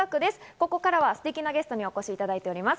ここからはステキなゲストにお越しいただいております。